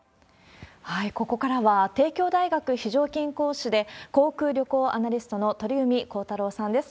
ここからは、帝京大学非常勤講師で、航空・旅行アナリストの鳥海高太朗さんです。